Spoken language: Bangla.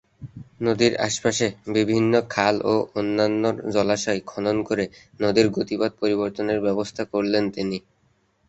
নদীর আশপাশে বিভিন্ন খাল ও অন্যান্য জলাশয় খনন করে নদীর গতিপথ পরিবর্তনের ব্যবস্থা করলেন তিনি।